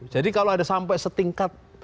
jadi kalau ada sampai setingkat